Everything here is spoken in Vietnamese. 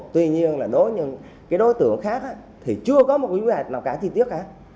tuy nhiên đối với đối tượng khác chưa có quy hoạch nào cả chi tiết